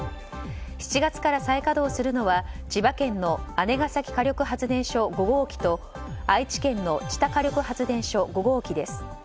７月から再稼働するのは千葉県の姉崎火力発電所５号機と愛知県の知多火力発電所５号機です。